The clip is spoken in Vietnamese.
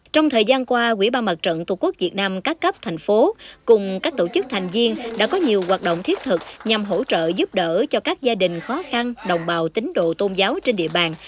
trong thời gian qua quỹ ban mặt trận tổ quốc việt nam các cấp thành phố cùng các tổ chức thành viên đã có nhiều hoạt động thiết thực nhằm hỗ trợ giúp đỡ cho các gia đình khó khăn đồng bào tín đồ tôn giáo trên địa bàn